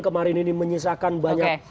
kemarin ini menyisakan banyak